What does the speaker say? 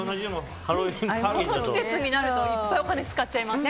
この季節になるといっぱいお金使っちゃいます。